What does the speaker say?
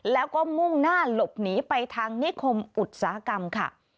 แล้วก็มุ่งหน้าหลบหนีไปทางนิคมอุตสาหกรรมค่ะ